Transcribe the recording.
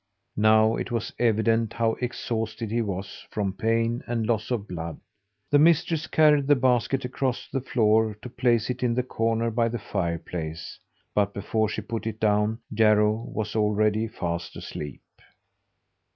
Now it was evident how exhausted he was from pain and loss of blood. The mistress carried the basket across the floor to place it in the corner by the fireplace; but before she put it down Jarro was already fast asleep.